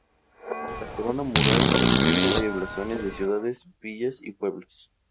La corona mural es timbre de blasones de ciudades, villas y pueblos.